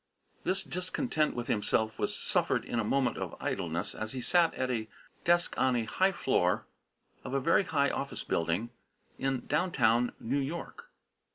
This discontent with himself was suffered in a moment of idleness as he sat at a desk on a high floor of a very high office building in "downtown" New York.